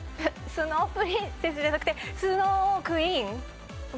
スノープリンセスじゃなくて『スノークイーン』？